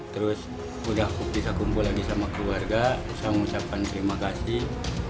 terus udah bisa kumpul lagi sama keluarga saya mengucapkan terima kasih